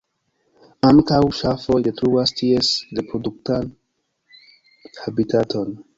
Ankaŭ ŝafoj detruas ties reproduktan habitaton.